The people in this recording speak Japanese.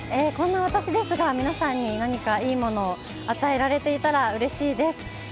こんな私ですが、皆さんに何かいいものを与えられていたらうれしいです。